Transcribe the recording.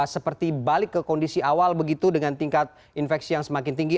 seperti balik ke kondisi awal begitu dengan tingkat infeksi yang semakin tinggi